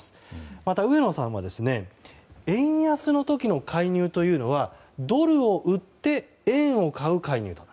また上野さんは円安の時の介入というのはドルを売って円を買う介入だと。